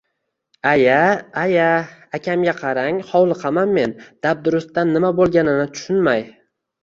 Aya, aya, akamga qarang, hovliqaman men, dabdurustdan nima bo`lganini tushunmay